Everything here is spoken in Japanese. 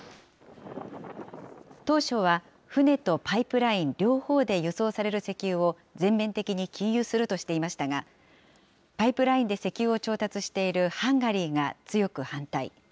当初は船とパイプライン両方で輸送される石油を、全面的に禁輸するとしていましたが、パイプラインで石油を調達しているハンガリーが強く反対。